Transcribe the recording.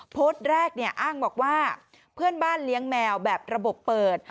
โพสต์แรกเนี่ยอ้างบอกว่าเพื่อนบ้านเลี้ยงแมวแบบระบบเปิด